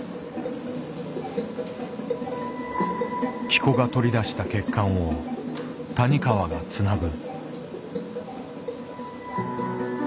喜古が取り出した血管を谷川がつなぐ。